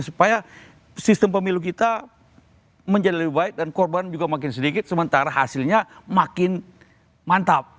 karena sistem pemilu kita menjadi lebih baik dan korban juga makin sedikit sementara hasilnya makin mantap